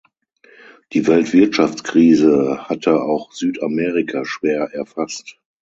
Die Weltwirtschaftskrise hatte auch Südamerika schwer erfasst.